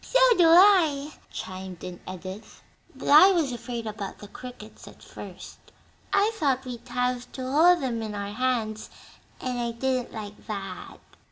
"So do I," chimed in Edith; "but I was afraid about the crickets at first. I thought we'd have to hold 'em in our hands, and I didn't like that."